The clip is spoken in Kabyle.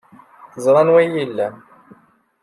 Teẓra anwa ay iyi-ilan.